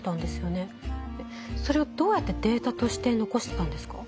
それをどうやってデータとして残してたんですか？